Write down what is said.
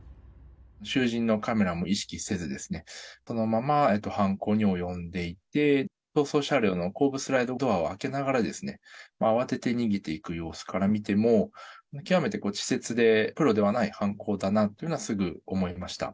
衆人のカメラも意識せず、そのまま犯行に及んでいて、逃走車両の後部スライドドアを開けながら慌てて逃げていく様子から見ても、きわめて稚拙で、プロではない犯行だなというのは、すぐ思いました。